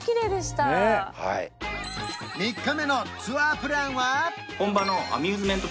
３日目のツアープランは？